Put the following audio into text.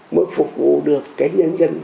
mới phục vụ được cái nhân dân